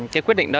chị quyết định đó